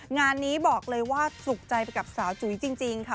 งานนี้บอกเลยว่าสุขใจไปกับสาวจุ๋ยจริงค่ะ